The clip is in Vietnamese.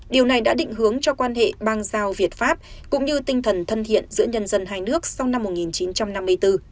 điều này đã định hướng cho quan hệ bang giao việt pháp cũng như tinh thần thân thiện giữa nhân dân hai nước sau năm một nghìn chín trăm năm mươi bốn